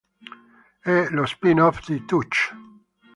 È lo spin-off di "Touch".